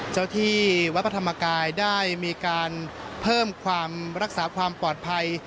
ที่วัดพระธรรมกายได้มีการเพิ่มความรักษาความปลอดภัย